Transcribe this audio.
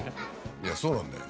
いやそうなんだよ